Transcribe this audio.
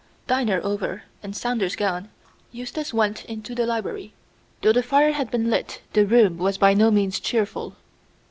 Dinner over and Saunders gone, Eustace went into the library. Though the fire had been lit the room was by no means cheerful.